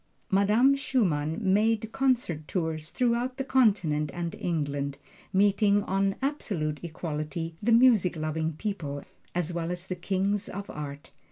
Madame Schumann made concert tours throughout the Continent and England, meeting on absolute equality the music loving people, as well as the Kings of Art.